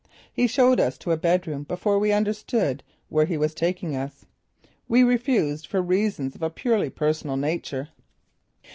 He showed us to a bed room before we understood where he was taking us. We refused, for reasons of a purely personal nature.